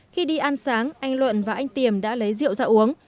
khi đi ăn sáng anh luận và anh tiềm đã lấy rượu ra uống